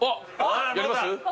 やります？